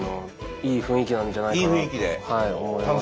いい雰囲気なんじゃないかなと思います。